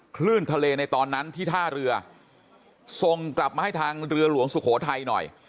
คลื่นทะเลในตอนนั้นที่ท่าเรือส่งกลับมาให้ทางเรือหลวงสุโขทัยหน่อย